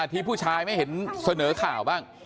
ที่ผู้ชายไม่เห็นเสนอข่าวบ้าง